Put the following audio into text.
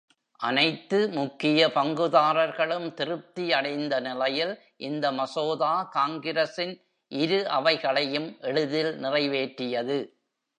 அனைத்து முக்கிய பங்குதாரர்களும் திருப்தி அடைந்த நிலையில், இந்த மசோதா காங்கிரசின் இரு அவைகளையும் எளிதில் நிறைவேற்றியது.